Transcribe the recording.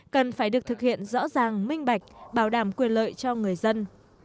cần phải được thực hiện rõ ràng minh bạch bảo đảm quyền lợi cho người dân